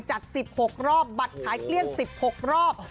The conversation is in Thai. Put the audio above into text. จัด๑๖รอบบัตรขายเกลี้ยง๑๖รอบ